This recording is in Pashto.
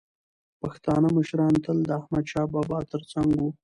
پښتانه مشران تل د احمدشاه بابا تر څنګ وو.